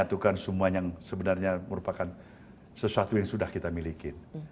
kita tidak bisa menyatukan semua yang sebenarnya merupakan sesuatu yang sudah kita miliki